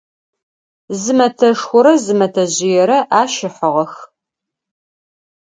Зы мэтэшхорэ зы мэтэжъыерэ ащ ыхьыгъэх.